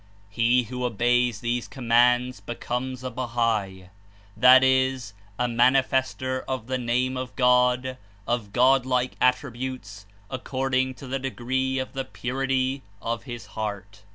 He who obeys these commands becomes a Bahai, that is — a manifestor of the Name of God, of God like attributes, according to the de • gree of the purity of his heart.